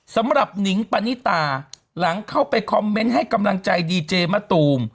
หนิงปณิตาหลังเข้าไปคอมเมนต์ให้กำลังใจดีเจมะตูม